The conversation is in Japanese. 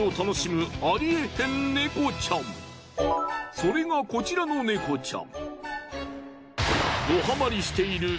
それがこちらの猫ちゃん。